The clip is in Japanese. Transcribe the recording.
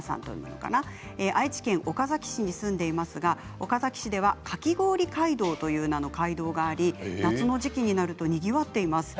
「愛知県岡崎市に住んでいますが岡崎市ではかき氷街道という名の街道があり夏の時期になるとにぎわっています。